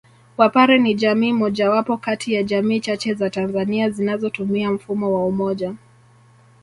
Wapare ni jamii mojawapo kati ya jamii chache za Tanzania zinazotumia mfumo wa Umoja